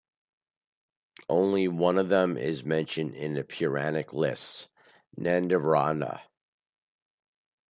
Only one of them is mentioned in the Puranic lists, Nandivardhana.